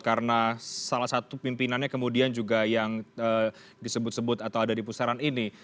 karena salah satu pimpinannya kemudian juga yang disebut sebut atau ada di pusaran ini